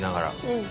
うん。